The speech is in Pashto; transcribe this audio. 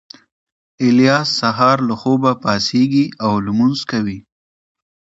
الیاس سهار له خوبه پاڅېږي او لمونځ کوي